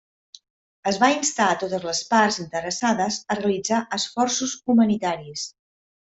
Es va instar a totes les parts interessades a realitzar esforços humanitaris.